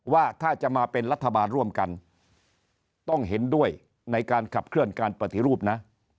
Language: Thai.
ว่าถ้าจะมาเป็นรัฐบาลร่วมกันต้องเห็นด้วยในการขับเคลื่อนการปฏิรูปนะ